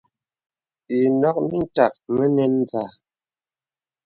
Ìnɔ̄k mìtak mə nɛn zâ.